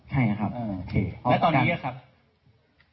ใช่ครับ